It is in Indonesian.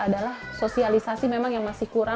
dengan mantan antropologi yang outro dan